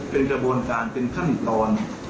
เป็นกระบวนการเป็นขั้นตอน